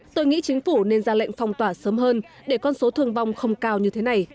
tôi nghĩ chính phủ nên ra lệnh phong tỏa sớm hơn để con số thương vong không cao như thế này